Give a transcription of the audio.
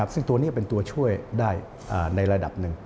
ซึ่งตัวนี้เป็นตัวช่วยได้ในระดับหนึ่ง